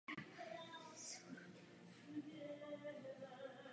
Studoval národohospodářské plánování na moskevské akademii.